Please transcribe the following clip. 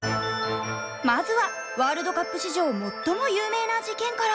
まずはワールドカップ史上最も有名な事件から。